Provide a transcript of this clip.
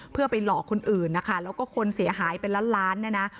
เพื่อไปหลอกคนอื่นนะคะแล้วก็คนเสียหายเป็นล้านล้านเนี่ยนะ